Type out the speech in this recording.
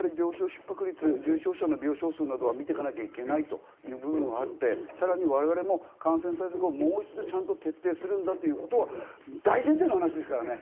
ひっ迫率、重症者の病床数などは見ていかなきゃいけない部分があって、さらに我々も感染対策をもう一度ちゃんと徹底するんだということが大前提ですからね。